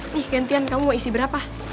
nih gantian kamu mau isi berapa